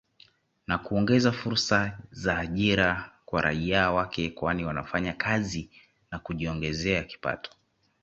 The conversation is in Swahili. Na kuongeza fursa za ajira kwa raia wake kwani wanafanya kazi na kujiongezea kipato